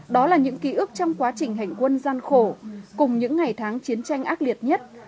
đó là những ký ức trong quá trình hành quân gian khổ cùng những ngày tháng chiến tranh ác liệt nhất